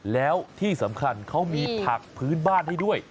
แล้วที่สำคัญเขามีผักพื้นบ้านให้ด้วย